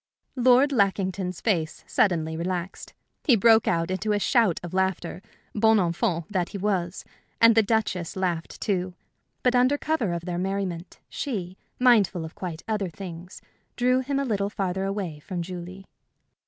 Lord Lackington's face suddenly relaxed. He broke into a shout of laughter, bon enfant that he was; and the Duchess laughed, too; but under cover of their merriment she, mindful of quite other things, drew him a little farther away from Julie.